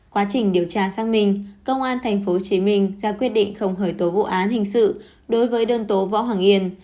quá trình điều tra xác minh công an tp hcm ra quyết định không khởi tố vụ án hình sự đối với đơn tố võ hoàng yên